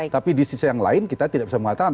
tapi di sisi yang lain kita tidak bisa mengatakan